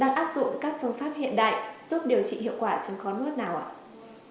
đang áp dụng các phương pháp hiện đại giúp điều trị hiệu quả chứng khó nuốt nào ạ